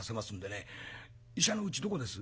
医者のうちどこです？」。